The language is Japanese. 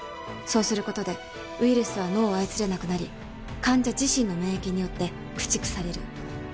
そうすることでウイルスは脳を操れなくなり患者自身の免疫によって駆逐される。